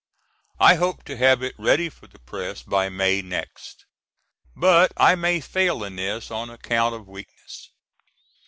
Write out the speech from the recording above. I hope to have it ready for the press by May next. But I may fail in this on account of weakness.